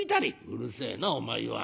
「うるせえなお前は。